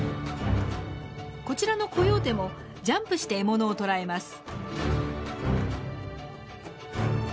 こちらのコヨーテもジャンプして獲物を捕らえます。